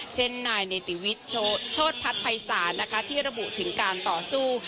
เช่นนายเนติวิทย์โชธพัฒน์ภัยศาลนะคะที่ระบุถึงการต่อสู้